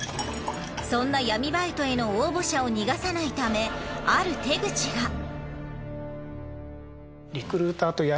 そんな闇バイトへの応募者を逃がさないためある手口が。